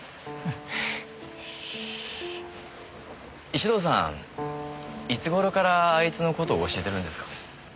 石堂さんいつ頃からあいつの事教えてるんですか？